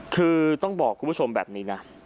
คือต้องบอกคุณผู้ชมแบบนี้นะ